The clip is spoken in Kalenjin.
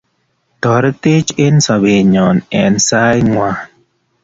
toretech eng sobenyo eng saingwai